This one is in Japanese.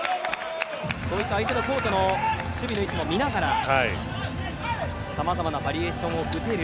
そういった相手のコートの配置も見ながら様々なバリエーションを打てる